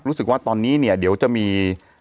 รู้สึกว่าตอนนี้เนี่ยเดี๋ยวจะมี